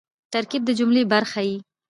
ترکیب د جملې برخه يي.